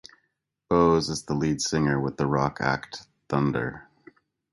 Bowes is the lead singer with the rock act, Thunder.